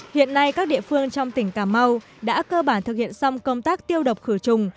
hiện nay các địa phương trong tỉnh cà mau đã cơ bản thực hiện xong công tác tiêu độc khử trùng